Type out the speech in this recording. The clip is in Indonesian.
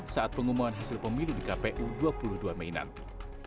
saat pengumuman hasil pemilu di kpu dua puluh dua mei nanti